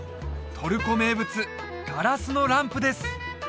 トルコ名物ガラスのランプです